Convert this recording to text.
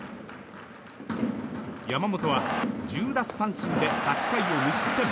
山本は１０奪三振で８回を無失点。